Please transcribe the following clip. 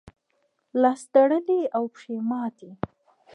لاس تړلی او پښې ماتې.